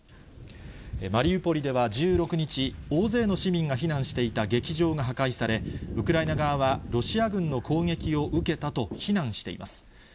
マリウポリでは１６日、大勢の市民が避難していた劇場が破壊され、ウクライナ側はロシア軍の攻撃を受けたと非難しています。